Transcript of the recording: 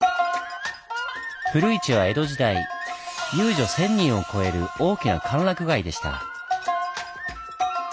古市は江戸時代遊女１０００人を超える大きな歓楽街でした。